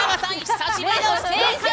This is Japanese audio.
久しぶりの不正解！